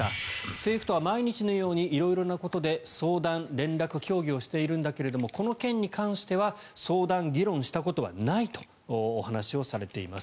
政府とは毎日のように色々なことで相談、連絡、協議をしているんだけどもこの件に関しては相談、議論したことはないとお話をされています。